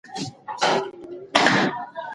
په الوتکه کې د خلکو ګڼه ګوڼه وه.